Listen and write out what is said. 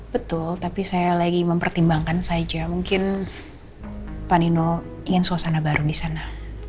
betul tapi saya lagi mempertimbangkan saja mungkin pak nino ingin suasana baru di sana